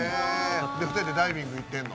２人でダイビング行ってるの？